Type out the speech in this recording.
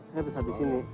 saya besar disini